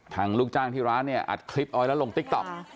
ทางลูกจ้างที่ร้านเนี่ยอัดคลิปและลงติ๊กต๊อก